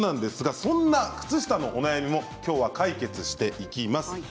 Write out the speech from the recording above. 靴下のお悩みもきょうは解決していきます。